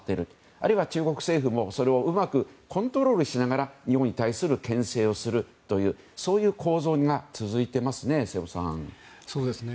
あるいは中国政府もそれをうまくコントロールしながら日本に対する牽制をするというそういう構造が続いていますね、瀬尾さん。